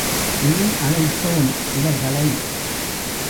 ஏன் அழைத்தோம் இவர்களை?